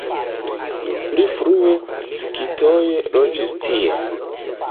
Pli frue skitoj loĝis tie.